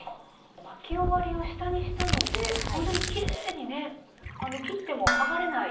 巻き終わりを下にしたのでほんとにきれいにね切っても剥がれない。